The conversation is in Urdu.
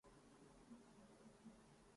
برسوں ہوئے ہیں چاکِ گریباں کئے ہوئے